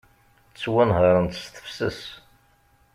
Ttwanhaṛent s tefses.